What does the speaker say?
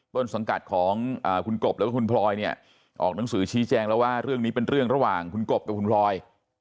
ต้นสังกัดของคุณกบแล้วก็คุณพลอยเนี่ยออกหนังสือชี้แจงแล้วว่าเรื่องนี้เป็นเรื่องระหว่างคุณกบกับคุณพลอย